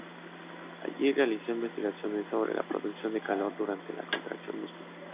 Allí realizó investigaciones sobre la producción de calor durante la contracción muscular.